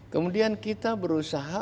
kemudian kita berusaha